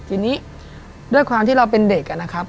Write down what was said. ทีนี้ด้วยความที่เราเป็นเด็กนะครับ